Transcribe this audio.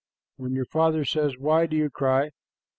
When your father says, 'Why do you cry?'